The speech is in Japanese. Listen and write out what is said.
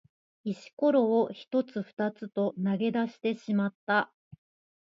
石ころを一つ二つと投げ出してしまった。